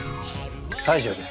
西城です。